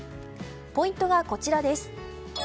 ポイントは、こちらです。